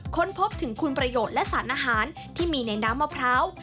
ค้นพบถึงคุณประโยชน์และสารอาหารที่มีในน้ำมะพร้าว